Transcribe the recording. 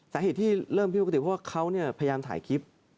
สาเหตุที่เริ่มผิดปกติเพราะว่าเขาพยายามถ่ายคลิป